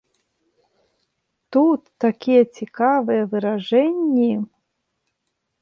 Тут такія цікавыя выражэнні.